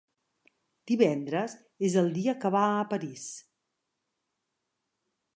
Divendres és el dia que va a París.